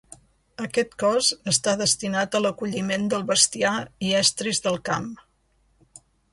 Aquest cos està destinat a l'acolliment del bestiar i estris del camp.